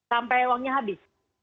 sampai uangnya habis